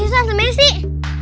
itu nanti masih